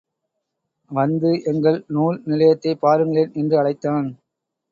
வந்து எங்கள் நூல் நிலையத்தைப் பாருங்களேன் என்று அழைத்தான்.